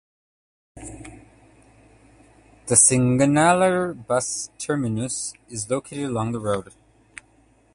The Singanallur Bus Terminus is located along the road.